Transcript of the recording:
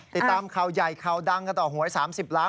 ติดตามเขาใหญ่เขาดังค่ะต่อหัว๓๐ล้าน